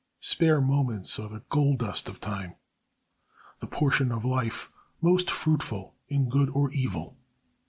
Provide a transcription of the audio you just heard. Spare moments are the gold dust of time—the portion of life most fruitful in good or evil.